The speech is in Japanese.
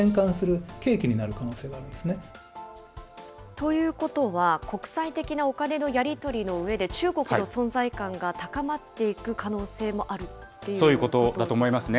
ということは、国際的なお金のやり取りのうえで、中国の存在感が高まっていく可能性もあるっていうことですかね。